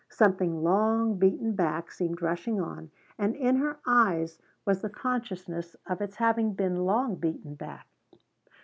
Something long beaten back seemed rushing on; and in her eyes was the consciousness of its having been long beaten back.